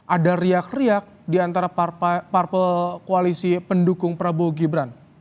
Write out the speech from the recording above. ada riak riak diantara parpol koalisi pendukung prabowo gibran